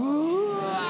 うわ！